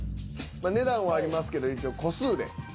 値段はありますけど一応個数で。